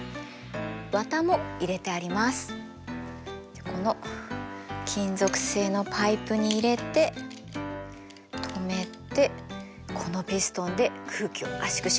じゃこの金属製のパイプに入れて留めてこのピストンで空気を圧縮します。